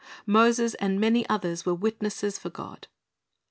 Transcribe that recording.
Moses and many others were witnesses for God.